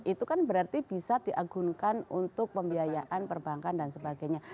itu kan berarti bisa diagunkan untuk pembiayaan perbankan dan sebagainya